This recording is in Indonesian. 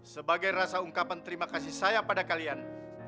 sebagai rasa ungkapan terimakasih saya pada kalian